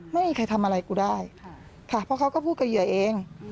ไม่มีใครทำอะไรกูได้ค่ะเพราะเขาก็พูดกับเหยื่อเอง